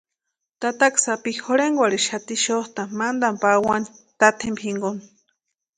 Tataka sapi jorhenkwarhixati xotʼani mantani pawani tatempa jinkoni.